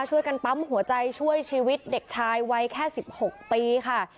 ช่วยกันปั๊มหัวใจช่วยชีวิตเด็กชายวัยแค่๑๖ปีค่ะ